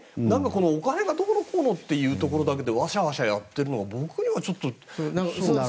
お金がどうのこうのというところだけでわしゃわしゃやっているのは僕にはちょっと。